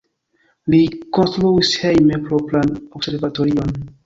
Li konstruis hejme propran observatorion.